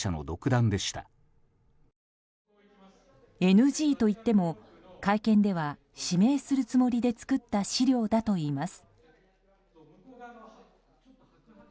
ＮＧといっても会見では指名するつもりで作った資料だといいます。